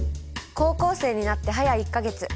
高校生になってはや１か月。